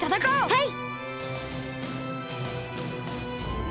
はい！